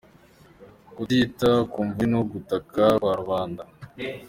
Kutita ku mvune n’ugutaka kwa rubanda